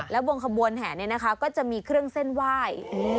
แล้วบนขบวนแห่เนี่ยนะคะก็จะมีเครื่องเส้นไหว้